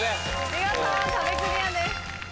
見事壁クリアです。